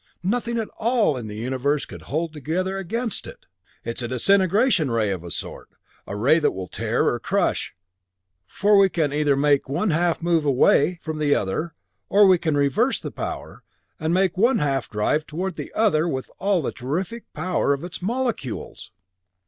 Nothing in all the Universe could hold together against it! It's a disintegration ray of a sort a ray that will tear, or crush, for we can either make one half move away from the other or we can reverse the power, and make one half drive toward the other with all the terrific power of its molecules!